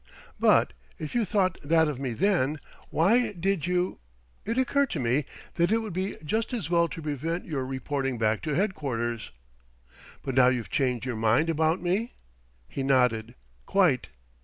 "But if you thought that of me then, why did you ?" "It occurred to me that it would be just as well to prevent your reporting back to headquarters." "But now you've changed your mind about me?" He nodded: "Quite."